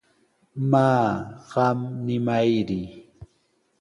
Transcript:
Maa, qam nimayri.